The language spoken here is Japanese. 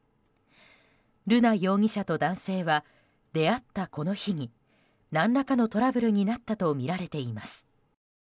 瑠奈容疑者と男性は出会ったこの日に何らかのトラブルになったとみられています。